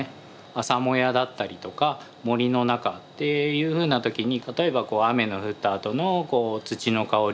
朝もやだったりとか森の中というふうな時に例えば雨の降ったあとの土の香り